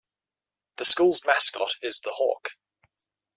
The school's mascot is the Hawk.